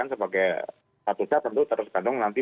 sebagai satu saat tentu tersebentuk nanti